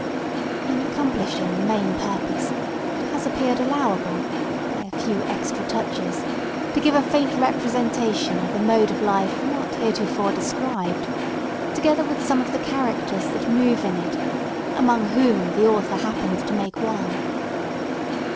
In accomplishing the main purpose, it has appeared allowable, by a few extra touches, to give a faint representation of a mode of life not heretofore described, together with some of the characters that move in it, among whom the author happened to make one.